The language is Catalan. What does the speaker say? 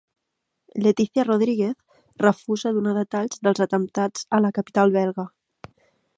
Letícia Rodríguez refusa donar detalls dels atemptats a la capital belga